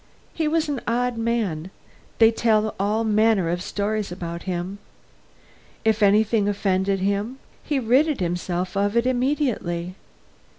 He was an odd man; they tell all manner of stories about him. If anything offended him, he rid himself of it immediately.